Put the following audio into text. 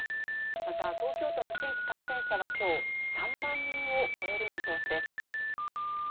また、東京都の新規感染者はきょう、３万人を超える見通しです。